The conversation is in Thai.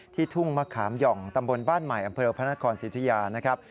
ทุ่งมะขามหย่องตำบลบ้านใหม่อำเภอพระนครสิทธิยานะครับ